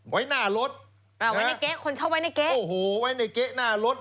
ไว้หน้ารถคนชอบไว้ในเก๊โอ้โหไว้ในเก๊หน้ารถ